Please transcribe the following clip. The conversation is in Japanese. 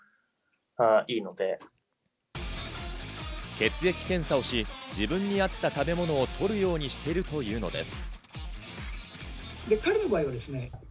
血液検査をし、自分に合った食べ物をとるようにしているというのです。